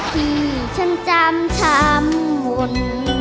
ที่ฉันจำชามห่วง